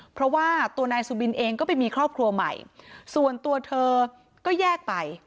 เพราะว่าตัวนายสุบินเองก็ไปมีครอบครัวใหม่ส่วนตัวเธอก็แยกไป